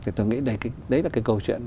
thì tôi nghĩ đấy là cái câu chuyện